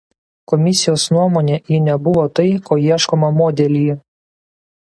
Komisijos nuomone ji nebuvo tai ko ieškoma modelyje.